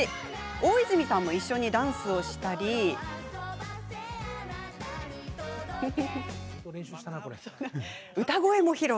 大泉さんも一緒にダンスをしたり歌声も披露。